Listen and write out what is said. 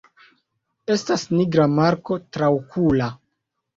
Estas nigra marko traokula.